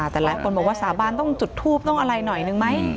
แต่หลายคนบอกว่าสาบานต้องจุดทูปต้องอะไรหน่อยนึงไหม